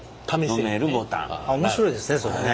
面白いですねそれね。